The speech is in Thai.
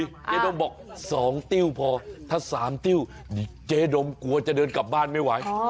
เจ๊ดมบอก๒ติ้วพอถ้า๓ติ้วเจ๊ดมกลัวจะเดินกลับบ้านไม่ไหว